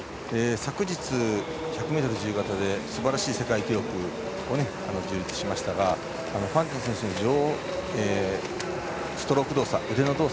昨日、１００ｍ自由形ですばらしい世界記録を樹立しましたがファンティン選手はストローク動作腕の動作